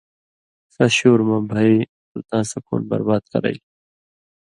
ݜس شُور مہ بھئ تُوں تاں سُکُون برباد کرئیل